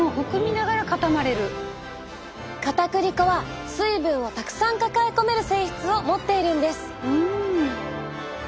かたくり粉は水分をたくさん抱え込める性質を持っているんです。